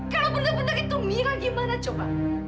kalau bener bener itu mira gimana coba